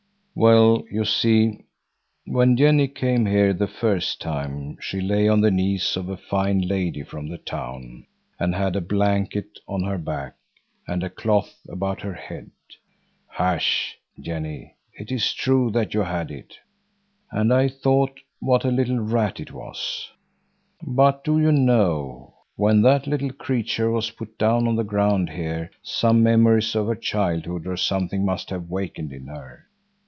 "Well, you see, when Jenny came here the first time she lay on the knees of a fine lady from the town, and had a blanket on her back and a cloth about her head. Hush, Jenny; it is true that you had it! And I thought what a little rat it was. But do you know when that little creature was put down on the ground here some memories of her childhood or something must have wakened in her.